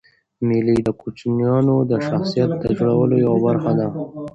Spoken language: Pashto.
مېلې د کوچنيانو د شخصیت د جوړولو یوه برخه ده.